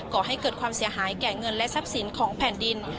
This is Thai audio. ก่อให้เกิดความเสียหายแก่เงินและทรัพย์สินของแผ่นดิน